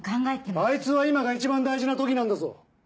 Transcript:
あいつは今が一番大事な時なんだぞ。